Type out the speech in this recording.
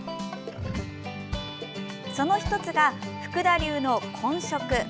その１つが、福田流の混植。